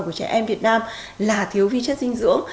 của trẻ em việt nam là thiếu vi chất dinh dưỡng